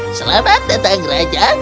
selamat datang raja